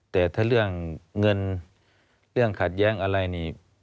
แต่ถ้าเรื่องเงินเรื่องขัดแย้งอะไรนี่